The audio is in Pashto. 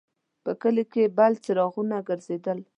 په کلي کې بل څراغونه ګرځېدل.